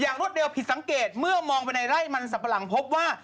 อย่างรถเดียวผิดสังเกตเมื่อมองไปในไล่มันสัมปะหลังพบว่า